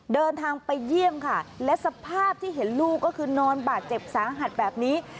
เดินทางไปเยี่ยมค่ะและสภาพที่เห็นลูกก็คือนอนบาดเจ็บสาหัสแบบนี้